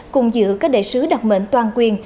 cùng giữ các đại sứ đặc mệnh toàn quyền